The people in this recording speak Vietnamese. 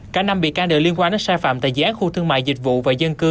cả năm bị can đều liên quan đến sai phạm tại dự án khu thương mại dịch vụ và dân cư